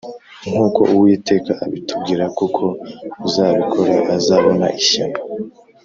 Nkuko uwiteka abitubwira kuko uzabikora azabona ishyano